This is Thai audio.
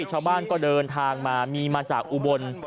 ชาวบ้านก็เดินทางมามีมาจากอุบล